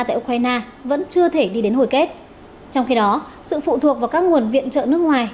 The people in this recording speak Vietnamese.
tại ukraine vẫn chưa thể đi đến hồi kết trong khi đó sự phụ thuộc vào các nguồn viện trợ nước ngoài